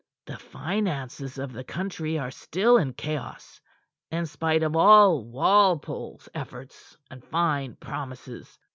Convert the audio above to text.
The finances of the country are still in chaos, in spite of all Walpole's efforts and fine promises.